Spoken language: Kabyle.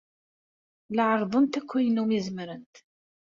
La ɛerrḍent akk ayen umi zemrent.